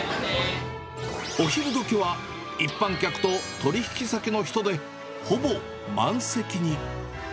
お昼どきは一般客と取り引き先の人でほぼ満席に。